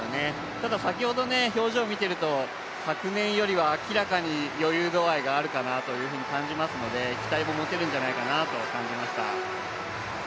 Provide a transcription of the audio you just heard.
ただ先ほど表情を見ていると昨年よりは明らかに余裕度合いがあるかなというふうに感じますので期待も持てるんじゃないかなと感じました。